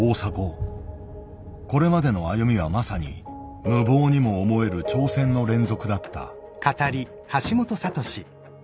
これまでの歩みはまさに無謀にも思える挑戦の連続だった。